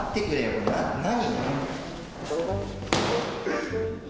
これ何？